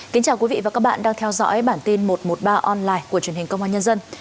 kính chào quý vị và các bạn đang theo dõi bản tin một trăm một mươi ba online của truyền hình công an nhân dân